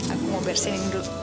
aku mau bersihin dulu